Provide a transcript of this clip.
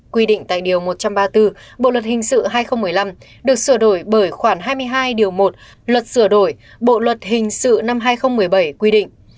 quy định tại điều một trăm ba mươi bốn bộ luật hình sự hai nghìn một mươi năm được sửa đổi bởi khoản hai mươi hai điều một luật sửa đổi bộ luật hình sự năm hai nghìn một mươi bảy quy định